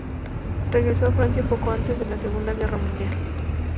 Regresó a Francia poco antes de la Segunda Guerra Mundial.